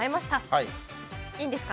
はい。